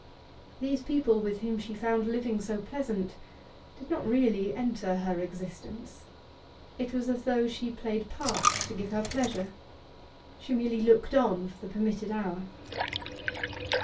These people with whom she found living so pleasant did not really enter her existence; it was as though she played parts to give her pleasure; she merely looked on for the permitted hour.